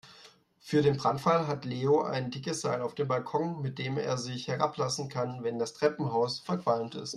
Für den Brandfall hat Leo ein dickes Seil auf dem Balkon, mit dem er sich herablassen kann, wenn das Treppenhaus verqualmt ist.